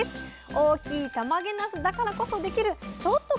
大きいたまげなすだからこそできるちょっと変わった「麺」料理！